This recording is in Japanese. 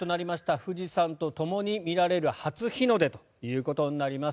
富士山とともに見られる初日の出ということになります。